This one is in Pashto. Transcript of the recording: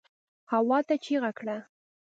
هواته يې چيغه کړه.